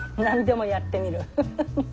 何でもやってみるフフフ。